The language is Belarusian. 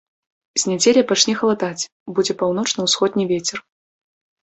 З нядзелі пачне халадаць, будзе паўночна-ўсходні вецер.